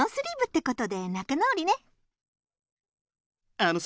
あのさ